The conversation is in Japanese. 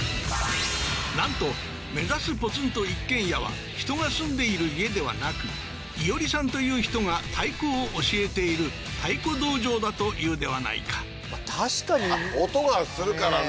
なんと目指すポツンと一軒家は人が住んでいる家ではなくイヨリさんという人が太鼓を教えている太鼓道場だというではないか確かに音がするからね